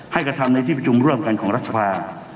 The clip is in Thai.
กระทำในที่ประชุมร่วมกันของรัฐสภา